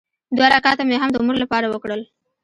دوه رکعته مې هم د مور لپاره وکړل.